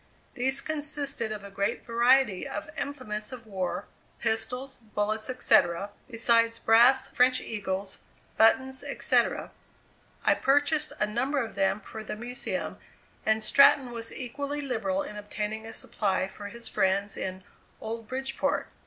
These consisted of a great variety of implements of war, pistols, bullets, etc., besides brass French eagles, buttons, etc. I purchased a number of them for the Museum, and Stratton was equally liberal in obtaining a supply for his friends in "Old Bridgeport."